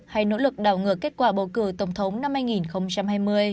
hay nỗ lực đảo ngược kết quả bầu cử tổng thống năm hai nghìn hai mươi